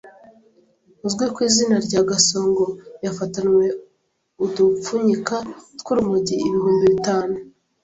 uzwi ku izina rya Gasongo yafatanwe udupfunyika tw’urumogi ibihumbi bitanu